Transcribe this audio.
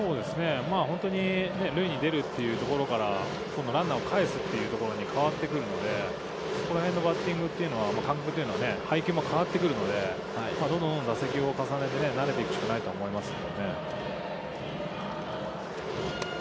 本当に塁に出るという意図から今度はランナーを帰すというところに変わってくるので、そこら辺のバッティングというのは感覚というのは配球も変わってくるので、どんどん打席を重ねてなれていくしかないと思いますけどね。